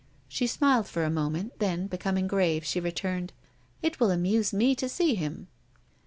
She smiled for a moment, then, becoming grave, she returned: "It will amuse me to see him."